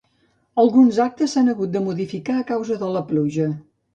Alguns actes s'han hagut de modificar a causa de la pluja.